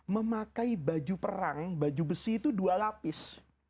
memakai baju perang baju besi itu dua lapis